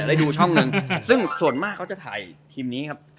ได้ดูช่องหนึ่งซึ่งส่วนมากเขาจะถ่ายทีมนี้ครับ